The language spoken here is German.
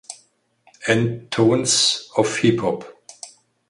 And tons of hip hop.